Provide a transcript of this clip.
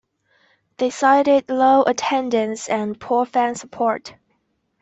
They cited low attendance and poor fan support.